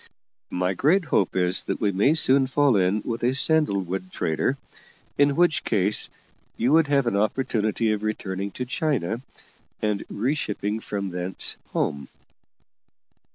My great hope is that we may soon fall in with a sandalwood trader, in which case you would have an opportunity of returning to China, and re shipping from thence home."